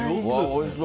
おいしそう。